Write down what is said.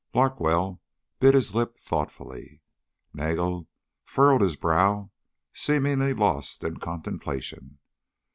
Larkwell bit his lip thoughtfully. Nagel furrowed his brow, seemingly lost in contemplation.